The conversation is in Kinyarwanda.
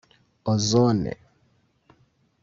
Ozone